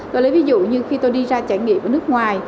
tôi lấy ví dụ như khi tôi đi ra trải nghiệm ở nước ngoài